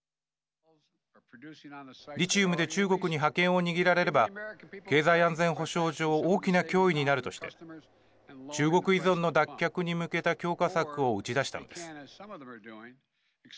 リチウムで中国に覇権を握られれば経済安全保障上大きな脅威になるとして中国依存の脱却に向けた強化策を打ち出したのです。